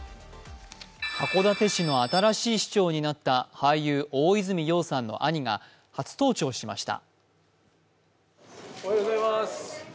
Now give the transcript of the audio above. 函館市の新しい市長になった俳優・大泉洋さんの兄が初登庁しました。